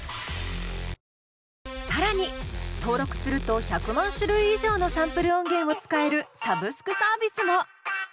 更に登録すると１００万種類以上のサンプル音源を使えるサブスクサービスも！